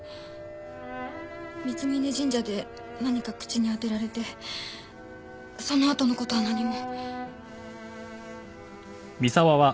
三峯神社で何か口に当てられてそのあとの事は何も。